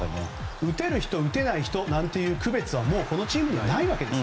打てる人打てない人なんていう区別はもうこのチームにはないわけです。